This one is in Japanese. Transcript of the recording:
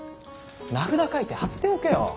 名札書いて貼っておけよ。